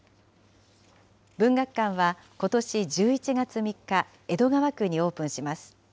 文学館はことし１１月３日、江戸川区にオープンします。